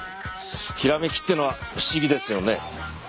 ひらめきっていうのは不思議ですよね。